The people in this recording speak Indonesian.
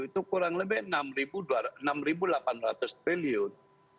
itu kurang lebih enam delapan ratus triliun